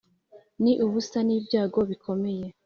ni ubusa ni ibyago bikomeye